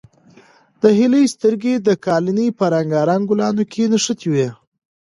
د هیلې سترګې د قالینې په رنګارنګ ګلانو کې نښتې وې.